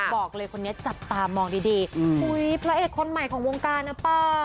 บอกเลยคนนี้จับตามองดีอุ๊ยพระเอกคนใหม่ของวงการนะเปล่า